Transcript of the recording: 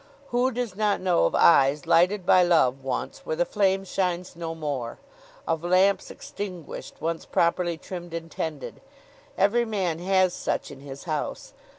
Who does not know of eyes, lighted by love once, where the flame shines no more? of lamps extinguished, once properly trimmed and tended? Every man has such in his house.